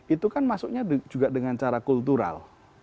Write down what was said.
itu kan masuknya juga dengan cara kultural